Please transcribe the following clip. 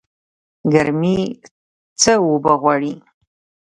ګرمي څه اوبه غواړي؟